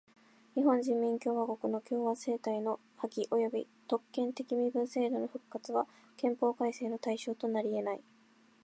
日本人民共和国の共和政体の破棄および特権的身分制度の復活は憲法改正の対象となりえない。